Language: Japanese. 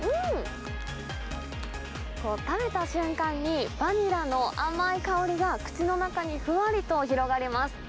食べた瞬間に、バニラの甘い香りが口の中にふわりと広がります。